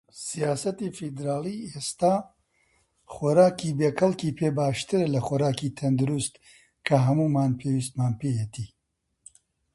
سیاسەتی فیدراڵیی ئێستا خۆراکی بێکەڵکی پێ باشترە لە خۆراکی تەندروست کە هەموومان پێویستمان پێیەتی.